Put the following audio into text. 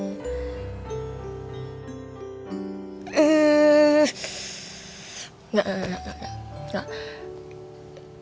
gak gak gak gak